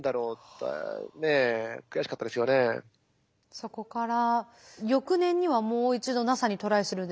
そこから翌年にはもう一度ＮＡＳＡにトライするんですか？